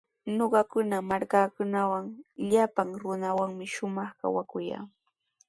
Ñuqakuna markaatrawqa llapan runawanmi shumaq kawakuyaa.